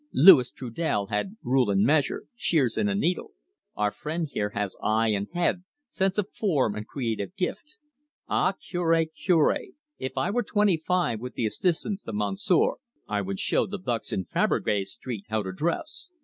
Louis Trudel had rule and measure, shears and a needle. Our friend here has eye and head, sense of form and creative gift. Ah, Cure, Cure, if I were twenty five, with the assistance of Monsieur, I would show the bucks in Fabrique Street how to dress.